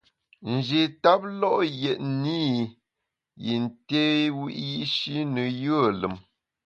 Nji tap lo’ yètne i yin té wiyi’shi ne yùe lùm.